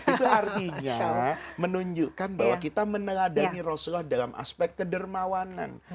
itu artinya menunjukkan bahwa kita meneladani rasulullah dalam aspek kedermawanan